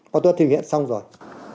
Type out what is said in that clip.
và tôi đã thực hiện xong rồi